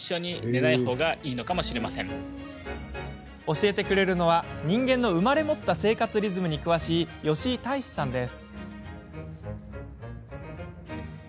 教えてくれるのは人間の生まれ持った生活リズムに詳しい吉井大志さんです。